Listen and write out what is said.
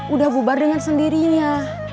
udah bubar dengan sendirinya